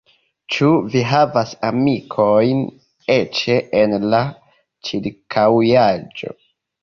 Ĉu vi havas amikojn eĉ en la ĉirkaŭaĵo?